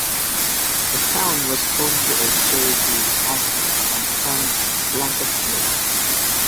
The town was home to a J. E. Ashworth and Sons blanket mill.